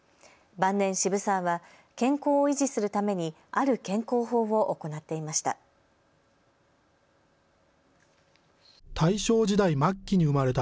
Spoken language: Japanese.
晩年、渋沢は健康を維持するためにある健康法を行っていました。